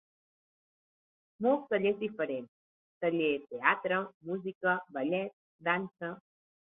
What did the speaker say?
Molts tallers diferents Taller; Teatre, Música, Ballet, Dansa.